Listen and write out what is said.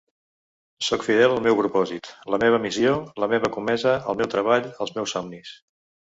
Sóc fidel al meu propòsit, la meva missió, la meva comesa, el meu treball, els meus somnis.